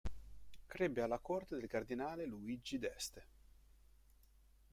Crebbe alla corte del cardinale Luigi d'Este.